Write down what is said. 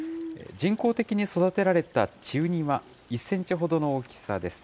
人工的に育てられた稚ウニは１センチほどの大きさです。